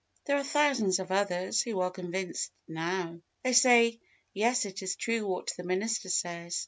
There are thousands of others, who are convinced now. They say, "Yes, it is true what the minister says.